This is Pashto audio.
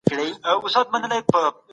چیرته کولای سو ثبات په سمه توګه مدیریت کړو؟